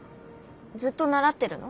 ずっと習ってるの？